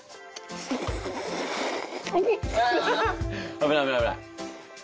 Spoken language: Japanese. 危ない危ない！